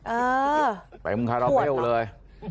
เออปวดเหรอไปมึงคาราเบลเลย